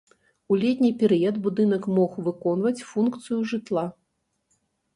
У летні перыяд будынак мог выконваць функцыю жытла.